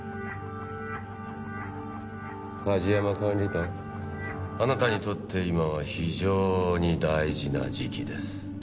梶山管理官あなたにとって今は非常に大事な時期です。